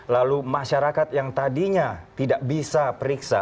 lalu masyarakat yang tadinya tidak bisa periksa